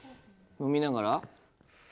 飲みながら。